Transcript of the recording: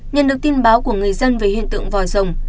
nhận được tin báo của người dân về hiện tượng vòi rồng